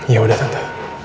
ya udah tante